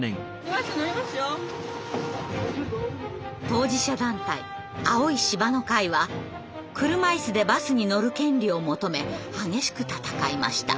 当事者団体「青い芝の会」は車いすでバスに乗る権利を求め激しく闘いました。